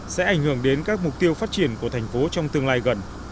sẽ ảnh hưởng đến các mục tiêu phát triển của thành phố trong tương lai gần